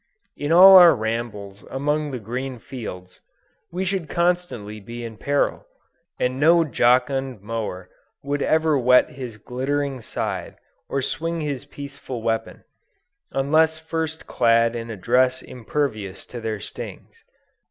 In all our rambles among the green fields, we should constantly be in peril; and no jocund mower would ever whet his glittering scythe, or swing his peaceful weapon, unless first clad in a dress impervious to their stings.